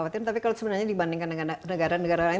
tapi kalau sebenarnya dibandingkan dengan negara negara lain